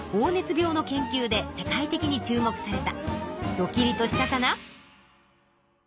ドキリとしたかな？